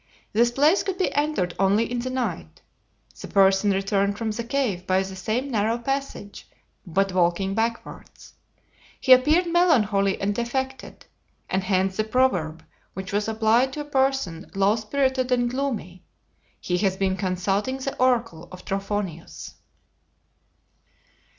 This place could be entered only in the night. The person returned from the cave by the same narrow passage, but walking backwards. He appeared melancholy and defected; and hence the proverb which was applied to a person low spirited and gloomy, "He has been consulting the oracle of Trophonius."